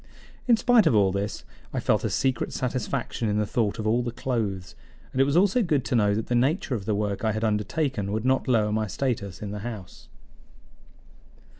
In spite of all this, I felt a secret satisfaction in the thought of the clothes, and it was also good to know that the nature of the work I had undertaken would not lower my status in the house.